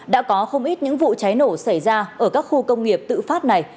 đã có không ít những vụ cháy nổ xảy ra ở các khu công nghiệp tự phát này